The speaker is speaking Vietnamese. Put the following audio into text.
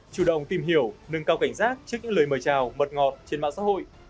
chủ động tìm hiểu nâng cao cảnh giác trước những lời mời chào mật ngọt trên mạng xã hội